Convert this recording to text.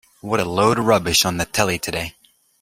What a load of rubbish on the telly today.